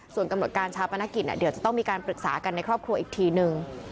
ส่วนกำหนดการชาปนกิจเดี๋ยวจะต้องมีการปรึกษากันในครอบครัวอีกทีนึง